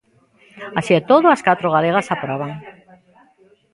Así e todo, as catro galegas aproban.